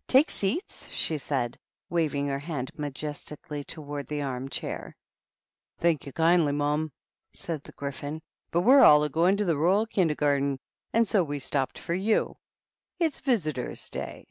" TakQ seats," she said, waving her hand majestically towards the arm chair. " Thank you kindly, mum," said the Gryphon, " but we're all a going to the Royal Kindergarten, and so we stopped for you. It's ' visitor's day.'